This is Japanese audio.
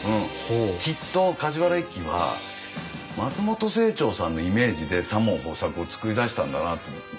きっと梶原一騎は松本清張さんのイメージで左門豊作を作り出したんだなと思って。